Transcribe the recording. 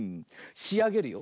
しあげるよ。